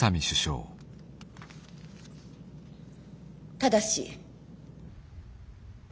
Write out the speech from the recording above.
ただし。